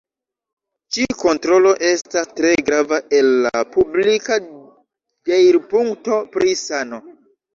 Ĉi-kontrolo estas tre grava el la publika deirpunkto pri sano.